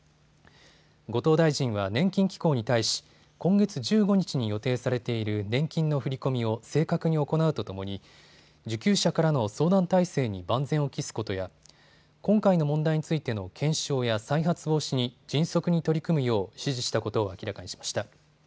後藤大臣は年金機構に対し今月１５日に予定されている年金の振り込みを正確に行うとともに受給者からの相談体制に万全を期すことや今回の問題についての検証や再発防止に迅速に取り組むよう指示したことを明らかにしました。